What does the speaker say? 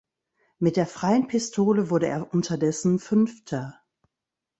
Mit der Freien Pistole wurde er unterdessen Fünfter.